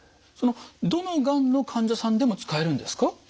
そのどのがんの患者さんでも使えるんですか？